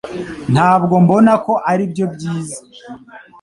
Ntabwo mbona ko aribyo byiza